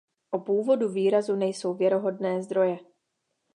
O původu výrazu nejsou věrohodné zdroje.